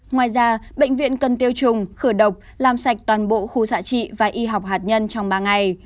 ngoài ra bệnh viện cần tiêu trùng khử độc làm sạch toàn bộ khu xạ trị và y học hạt nhân trong ba ngày